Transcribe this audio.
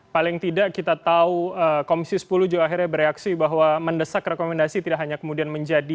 paling tidak kita tahu komisi sepuluh juga akhirnya bereaksi bahwa mendesak rekomendasi tidak hanya kemudian menjadi